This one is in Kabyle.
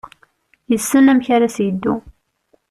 Yessen amek ara s-yeddu.